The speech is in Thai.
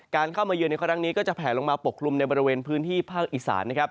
การเข้ามาเยือนในค่อนข้างนี้ก็จะแผลลงมาปกลุ่มในบริเวณพื้นที่ภาคอีสาน